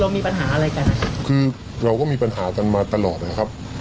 มีปัญหาอะไรกันนะคะคือเราก็มีปัญหากันมาตลอดนะครับ